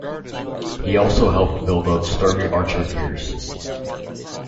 He also helped build up Sturmey Archer Gears.